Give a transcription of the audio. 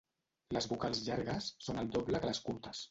Les vocals llargues són el doble que les curtes.